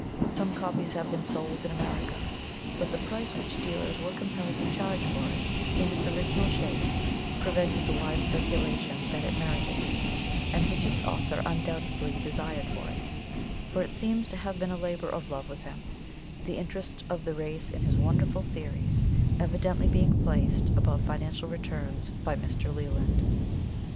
Some copies have been sold in America, but the price which dealers were compelled to charge for it, in its original shape, prevented the wide circulation that it merited, and which its author undoubtedly desired for it, for it seems to have been a labor of love with him, the interest of the race in his wonderful theories evidently being placed above financial returns by Mr. Leland.